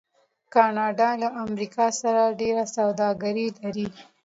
کاناډا له امریکا سره ډیره سوداګري لري.